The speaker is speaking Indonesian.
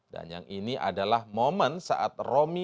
dan yang ini adalah momen saat romahur muzi